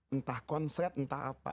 entah konset entah apa